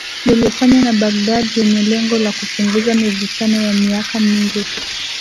yaliyofanywa na Baghdad yenye lengo la kupunguza mivutano ya miaka mingi